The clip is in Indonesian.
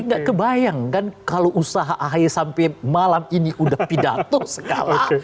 gak kebayang kan kalau usaha ahy sampai malam ini udah pidato sekarang